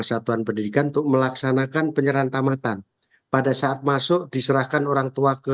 satuan pendidikan untuk melaksanakan penyeranta mata pada saat masuk diserahkan orang tua ke